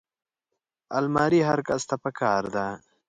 الماري هر کس ته پکار ده